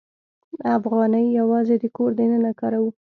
افغانۍ یوازې د کور دننه کاروو.